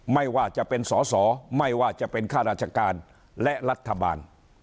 ไม่ว่าจะเป็นสอสอไม่ว่าจะเป็นข้าราชการและรัฐบาล